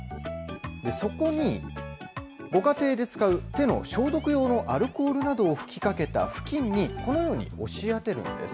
そこに、ご家庭で使う手の消毒用のアルコールなどを吹きかけた布巾に、このように押し当てるんです。